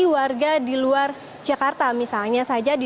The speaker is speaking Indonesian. warga di luar jakarta misalnya saja di